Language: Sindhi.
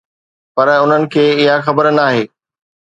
پر انهن کي اها خبر ناهي.